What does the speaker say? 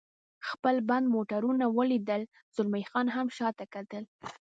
خپل بند موټرونه ولیدل، زلمی خان هم شاته کتل.